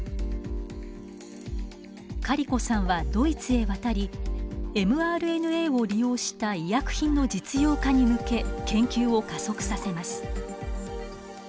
カリコさんはドイツへ渡りｍＲＮＡを利用した医薬品の実用化に向け研究を加速させます。